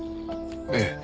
ええ。